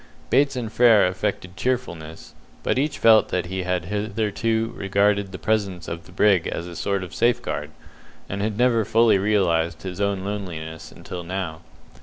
Bates and Frere affected cheerfulness, but each felt that he had hitherto regarded the presence of the brig as a sort of safeguard, and had never fully realized his own loneliness until now.